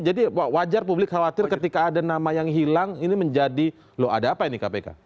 jadi wajar publik khawatir ketika ada nama yang hilang ini menjadi loh ada apa ini kpk